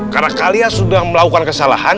karena kalian sudah melakukan kesalahan